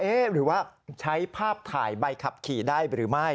หรือว่าใช้ภาพถ่ายใบขับขี่ได้หรือไม่